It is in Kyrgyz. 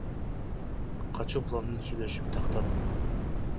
Качуу планын сүйлөшүп, тактап.